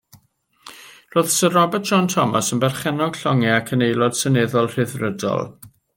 Roedd Syr Robert John Thomas yn berchennog llongau ac yn Aelod Seneddol Rhyddfrydol.